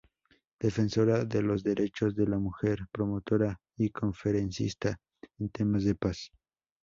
Defensora de los derechos de la mujer, promotora y conferencista en temas de Paz.